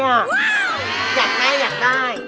อยากได้อยากได้